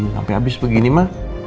sampai habis begini ma